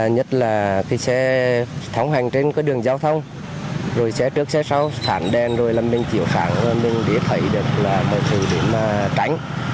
nhất là xe thống hành trên đường giao thông xe trước xe sau phản đen rồi mình chịu phản mình để thay được là một thử điểm tránh